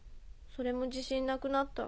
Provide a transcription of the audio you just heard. それも自信なくなった。